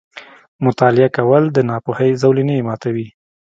• مطالعه کول، د ناپوهۍ زولنې ماتوي.